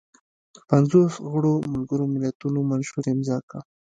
پنځوس غړو ملګرو ملتونو منشور امضا کړ.